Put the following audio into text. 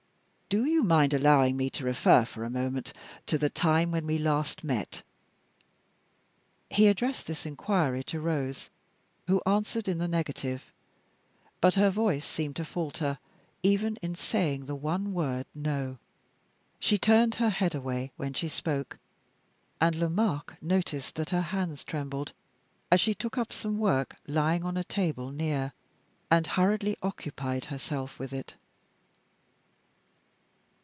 Do you mind allowing me to refer for a moment to the time when we last met?" He addressed this inquiry to Rose, who answered in the negative; but her voice seemed to falter, even in saying the one word "No." She turned her head away when she spoke; and Lomaque noticed that her hands trembled as she took up some work lying on a table near, and hurriedly occupied herself with it.